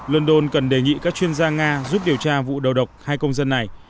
london cần đề nghị các chuyên gia nga giúp điều tra vụ đầu độc hai công dân này